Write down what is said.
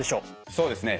そうですね。